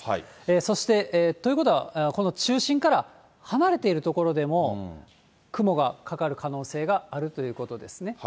そして、ということは、この中心から離れている所でも、雲がかかる可能性があるということですね。